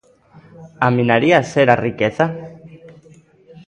A minaría xera riqueza?